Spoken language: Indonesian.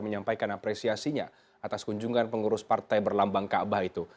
menyampaikan apresiasinya atas kunjungan pengurus partai berlambang kaabah itu